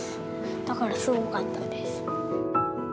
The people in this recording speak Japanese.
だからすごかったです。